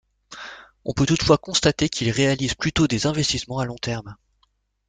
On peut toutefois constater qu'il réalise plutôt des investissements à long terme.